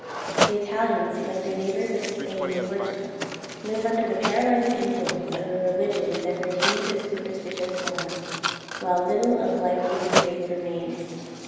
The Italians, like their neighbors of Spain and Portugal, live under the paralyzing influence of a religion that retains its superstitious forms, while little of life giving faith remains.